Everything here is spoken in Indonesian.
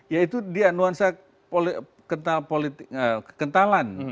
ya itu dia nuansa ketalan